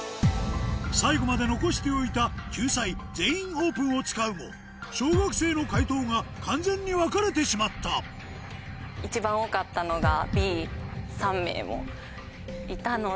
最後まで残しておいた救済「全員オープン」を使うも小学生の解答が完全に分かれてしまった一番多かったのが。